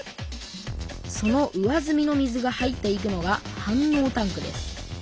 その上ずみの水が入っていくのが反応タンクです。